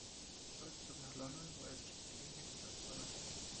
George zog nach London, wo er sich mit Gelegenheitsjobs über Wasser hielt.